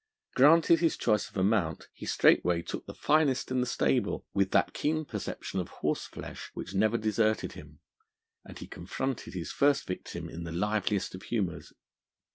Granted his choice of a mount, he straightway took the finest in the stable, with that keen perception of horse flesh which never deserted him, and he confronted his first victim in the liveliest of humours.